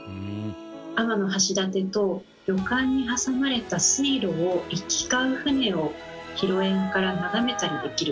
天橋立と旅館に挟まれた水路を行き交う船を広縁から眺めたりできる。